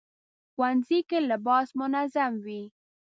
ښوونځی کې لباس منظم وي